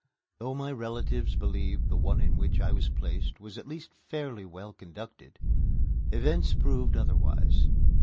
Though my relatives believed the one in which I was placed was at least fairly well conducted, events proved otherwise.